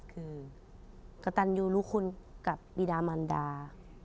คือกะตันอยู่ลูกคุณกับบีดามัณฑา